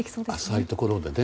浅いところでね。